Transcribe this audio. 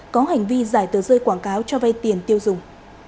có hành vi giải tờ rơi quảng cáo cho vay tiền tiêu dùng